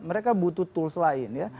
mereka butuh tools lain ya